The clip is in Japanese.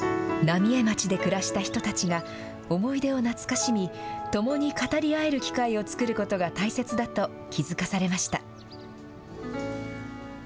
浪江町で暮らした人たちが、思い出を懐かしみ、共に語り合える機会を作ることが大切だと気付かされました。